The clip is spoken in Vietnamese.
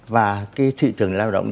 và cái thị trường lao động